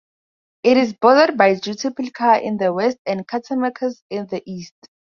It is boredered by Juticalpa in the west and Catacamas in the east.